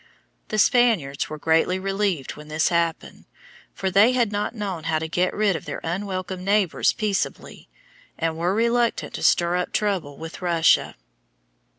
The Spaniards were greatly relieved when this happened, for they had not known how to get rid of their unwelcome neighbors peaceably, and were reluctant to stir up trouble with Russia.